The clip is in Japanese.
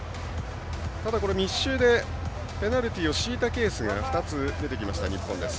ただ、密集でペナルティーを強いたケースが２つ出てきました、日本。